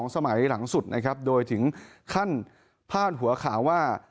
สมัยหลังสุดนะครับโดยถึงขั้นพาดหัวข่าวว่า